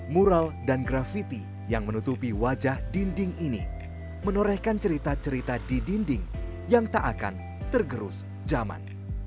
mural dan grafiti yang menutupi wajah dinding ini menorehkan cerita cerita di dinding yang tak akan tergerus zaman